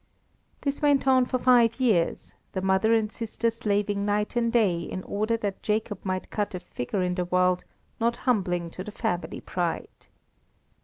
This went on for five years, the mother and sister slaving night and day in order that Jacob might cut a figure in the world not humbling to the family pride.